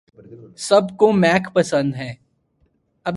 سب کو میک پسند ہیں